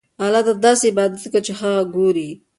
الله ته داسې عبادت کوه چې هغه ګورې.